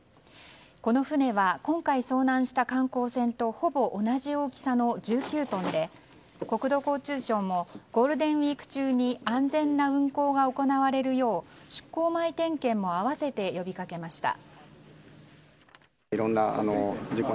この船は今回遭難した観光船とほぼ同じ大きさの１９トンで国土交通省もゴールデンウィーク中に安全な運行が行われるよう出港前点検も併せて呼びかけました。